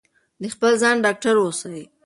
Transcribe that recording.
د خپل ځان ډاکټر اوسئ.